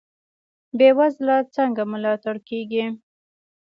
بې وزله څنګه ملاتړ کیږي؟